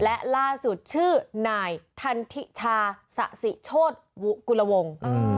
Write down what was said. และล่าสุดชื่อนายทันธิชชาษิโชตกุรง